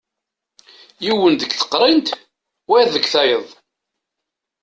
Yiwen deg teqrint, wayeḍ deg tayeḍ.